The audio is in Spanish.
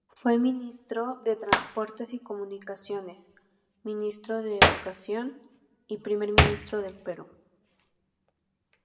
Fue Ministro de Transportes y Comunicaciones, Ministro de Educación y Primer Ministro del Perú.